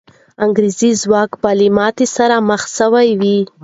انګریزي ځواک به له ماتې سره مخ سوی وي.